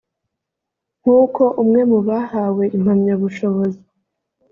nk’uko umwe mu bahawe impamyabushobozi